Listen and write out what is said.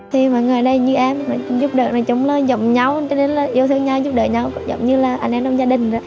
thì mọi người ở đây như em giúp đỡ nhau giúp đỡ nhau giống như là anh em trong gia đình